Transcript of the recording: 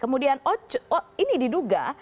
kemudian ini diduga